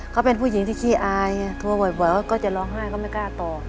เขาเป็นผู้หญิงที่ขี้อายโทรบ่อยก็จะร้องไห้ก็ไม่กล้าตอบ